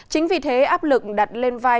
chính vì thế áp lực đặt lên vai